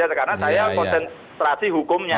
karena saya konsentrasi hukumnya